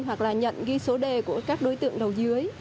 hoặc là nhận ghi số đề của các đối tượng đầu dưới